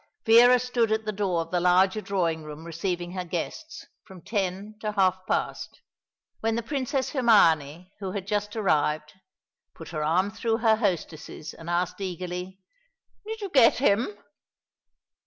Vera stood at the door of the larger drawing room receiving her guests, from ten to half past, when the Princess Hermione, who had just arrived, put her arm through her hostess's and asked eagerly: "Did you get him?"